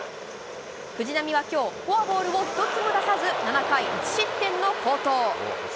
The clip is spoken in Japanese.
藤浪はきょう、フォアボールを一つも出さず、７回１失点の好投。